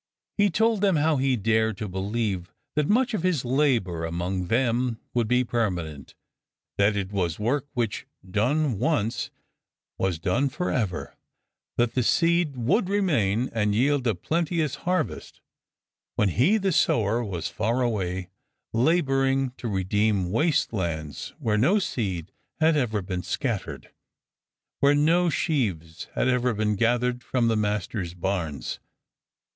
He told them how he dared to believe that much of his labour among them would be per manent ; that it was work which, done once, was done for ever ; that the seed would remain and yield a plenteous harvest, when he the sower was far away, labouring to redeem waste lands where no seed had ever been scattered, where no sheaves had ever been gathered for the Master's barns.